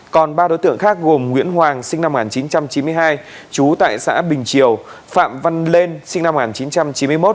còn ba đối tượng khác gồm nguyễn hoàng sinh năm một nghìn chín trăm chín mươi hai trú tại xã bình triều phạm văn lên sinh năm một nghìn chín trăm chín mươi một